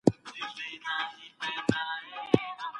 دولتونه پر ملاتړ تکیه کوي.